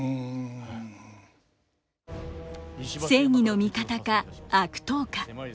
正義の味方か悪党か。